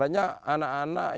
dan selamat memindah diri